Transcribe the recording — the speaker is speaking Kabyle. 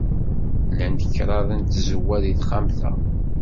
Llant kraḍ n tzewwa deg texxamt-a.